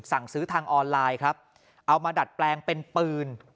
สั่งซื้อทางออนไลน์ครับเอามาดัดแปลงเป็นปืน